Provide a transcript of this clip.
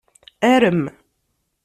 Arem.